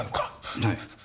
はい。